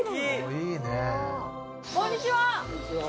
こんにちは。